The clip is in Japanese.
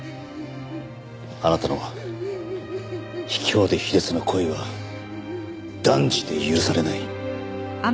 あなたの卑怯で卑劣な行為は断じて許されない。